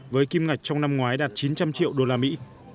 với kim ngạch trong năm ngoái đạt chín trăm linh triệu đô la mỹ